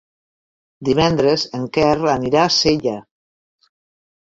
Divendres en Quer anirà a Sella.